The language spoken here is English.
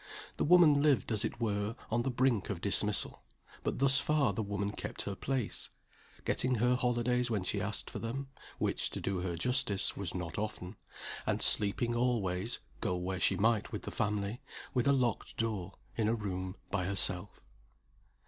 The woman lived, as it were, on the brink of dismissal but thus far the woman kept her place getting her holidays when she asked for them (which, to do her justice, was not often) and sleeping always (go where she might with the family) with a locked door, in a room by herself.